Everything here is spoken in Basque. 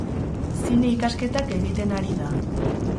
Zine ikasketak egiten ari da.